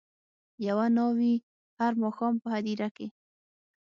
یوه ناوي هر ماښام په هدیره کي